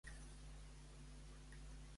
El Pau era una persona animada?